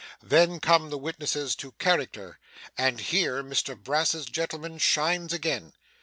Then come the witnesses to character, and here Mr Brass's gentleman shines again.